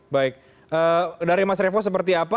baik dari mas revo seperti apa